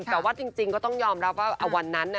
แต่ว่าจริงก็ต้องยอมรับว่าวันนั้น